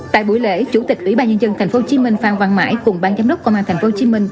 tại buổi lễ chủ tịch ủy ban nhân dân tp hcm phan văn mãi cùng bang giám đốc công an tp hcm